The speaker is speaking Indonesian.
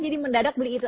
jadi mendadak beli itu